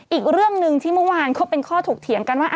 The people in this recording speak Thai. อีกเรื่องหนึ่งที่เมื่อวานเขาเป็นข้อถกเถียงกันว่า